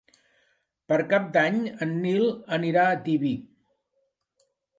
Per Cap d'Any en Nil anirà a Tibi.